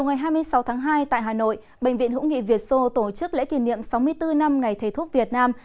ngày hai mươi sáu tháng hai tại hà nội bệnh viện hữu nghị việt sô tổ chức lễ kỷ niệm sáu mươi bốn năm ngày thầy thuốc việt nam